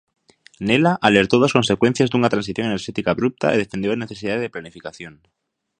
Nela, alertou das consecuencias dunha transición enerxética "abrupta" e defendeu a necesidade de planificación.